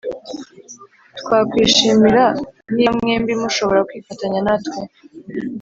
twakwishimira niba mwembi mushobora kwifatanya natwe.